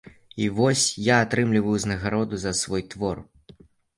І вось я атрымліваю ўзнагароду за свой твор.